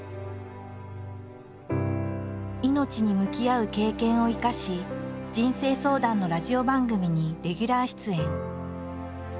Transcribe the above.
命に向き合う経験を生かし人生相談のラジオ番組にレギュラー出演。